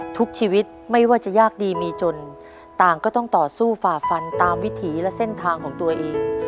ทุกชีวิตไม่ว่าจะยากดีมีจนต่างก็ต้องต่อสู้ฝ่าฟันตามวิถีและเส้นทางของตัวเอง